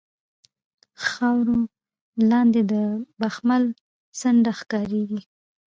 خاورو لاندې د بخمل څنډه ښکاریږي